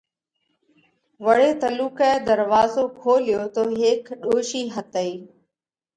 وۯي تلُوڪئہ ڌروازو کوليو تو هيڪ ڏوشِي هتئِي۔